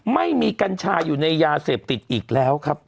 ไม่มีกัญชาอยู่ในยาเสพติดอีกแล้วครับ